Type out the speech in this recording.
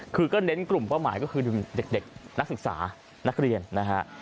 คือก็เน้นกลุ่มเป้าหมายก็คือเด็กนักศึกษานักเรียนนะฮะ